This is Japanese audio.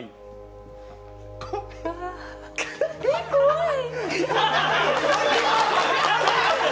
えっ、怖い！